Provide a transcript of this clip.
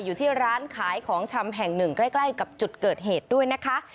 อยู่ที่ร้านขายของชำแห่งหนึ่งใกล้กับจุดเกิดเหตุด้วยนะคะ